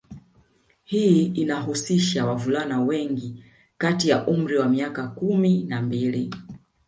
Hii inahusisha wavulana wengi kati ya umri wa miaka kumi na mbili